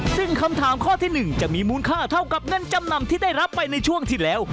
ซึ่งคำถามข้อที่๑จะมีมูลค่าเท่ากับเงินจำนำที่ได้รับไปในช่วงที่แล้ว